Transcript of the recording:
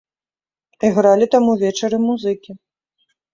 Ігралі там увечары музыкі.